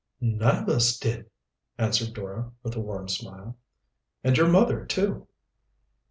"None of us did," answered Dora with a warm smile. "And your mother, too!"